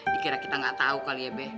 dikira kita gak tau kali ya be